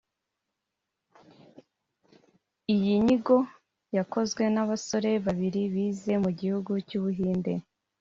Iyo nyigo yakozwe n’abasore babiri bize mu gihugu cy’u Buhinde